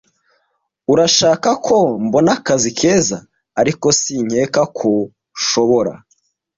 Urashaka ko mbona akazi keza, ariko sinkeka ko nshobora.